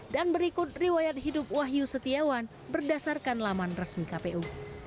dan berikut riwayat hidup wahyu setiawan berdasarkan laman resmi kpu